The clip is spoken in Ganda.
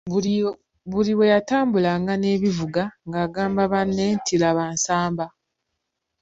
Buli lwe yatambulanga n'ebivuga ng’agamba banne nti, laba Nsamba.